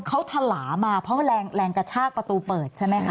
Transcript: เขาถลามาเพราะว่าแรงกระชากประตูเปิดใช่ไหมคะ